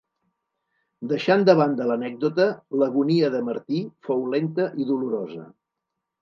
Deixant de banda l'anècdota, l'agonia de Martí fou lenta i dolorosa.